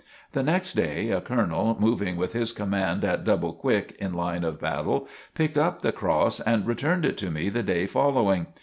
The next day, a colonel, moving with his command at "double quick" in line of battle, picked up the cross and returned it to me the day following.